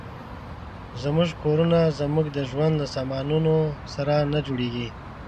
زموږ کورونه زموږ د ژوند له سامانونو سره نه جوړېږي.